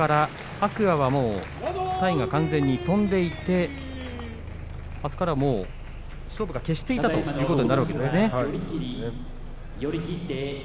天空海は体が完全に飛んでいてあそこからは勝負が決していたということですね。